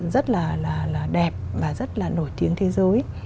rất là đẹp và rất là nổi tiếng thế giới